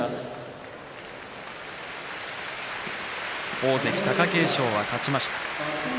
大関貴景勝は勝ちました。